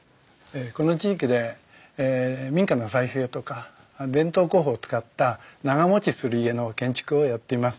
この地域で民家の再生とか伝統工法を使った長もちする家の建築をやっています。